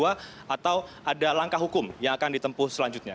atau ada langkah hukum yang akan ditempuh selanjutnya